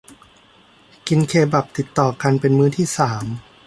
กินเคบับติดต่อกันเป็นมื้อที่สาม